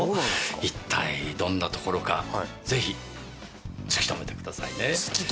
一体どんな所かぜひ突き止めてくださいね。